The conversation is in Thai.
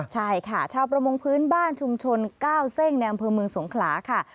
ใช่ค่ะชาวประมงพื้นบ้านชุมชนก้าวเส้งในอำเภอเมืองสงขลาค่ะ